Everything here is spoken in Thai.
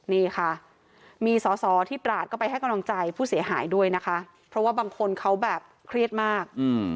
นี่ค่ะมีสอสอที่ตราดก็ไปให้กำลังใจผู้เสียหายด้วยนะคะเพราะว่าบางคนเขาแบบเครียดมาก